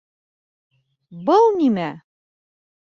Был нимә?